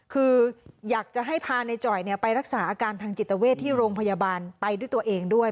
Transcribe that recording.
คืออยากจะให้พาในจ่อยไปรักษาอาการทางจิตเวทที่โรงพยาบาลไปด้วยตัวเองด้วย